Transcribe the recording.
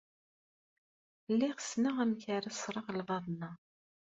Lliɣ ssneɣ amek ara ṣṣreɣ lbaḍna.